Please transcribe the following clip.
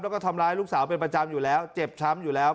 แล้วก็ทำร้ายลูกสาวเป็นประจำอยู่แล้วเจ็บช้ำอยู่แล้ว